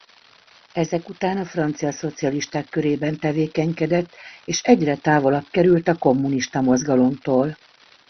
Ezek után a francia szocialisták körében tevékenykedett és egyre távolabb került a kommunista mozgalomtól.